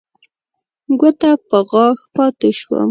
ګوته په غاښ پاتې شوم.